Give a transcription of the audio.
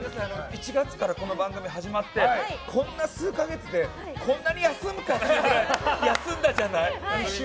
１月からこの番組始まってこんな数か月でこんなに休むかっていうぐらい休んだじゃない。